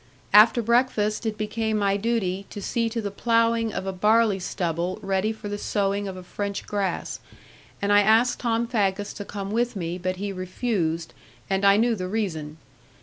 After breakfast it became my duty to see to the ploughing of a barley stubble ready for the sowing of a French grass, and I asked Tom Faggus to come with me, but he refused, and I knew the reason.